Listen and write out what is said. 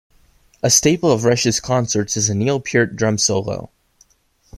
A staple of Rush's concerts is a Neil Peart drum solo.